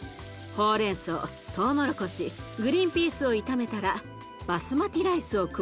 ほうれんそうとうもろこしグリンピースを炒めたらバスマティライスを加えます。